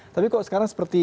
tapi kok sekarang seperti